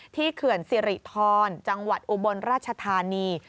เขื่อนสิริธรจังหวัดอุบลราชธานี